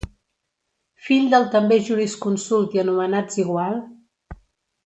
Fill del també jurisconsult i anomenats igual: